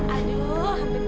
aduh hampir keringat